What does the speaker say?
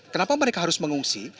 kenapa mereka harus mengungsi